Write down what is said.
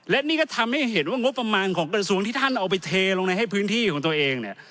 และนี่ก็ทำให้เห็นว่างบประมาณของกระทรวงที่ท่านเอาไปเทลงในให้พื้นที่ของตัวเองเนี่ย